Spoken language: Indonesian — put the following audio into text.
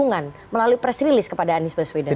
dukungan melalui press release kepada anies baswedan